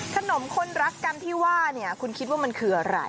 ขนมคนรักกันที่ว่าเนี่ยคุณคิดว่ามันคืออะไร